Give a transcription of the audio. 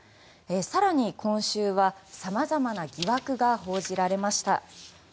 更に今週は様々な疑惑が報じられました。